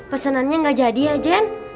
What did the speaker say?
pesenannya gak jadi ya jen